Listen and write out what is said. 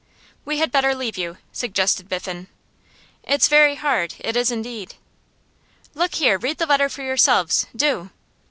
'We had better leave you,' suggested Biffen. 'It's very hard it is indeed.' 'Look here! Read the letter for yourselves! Do!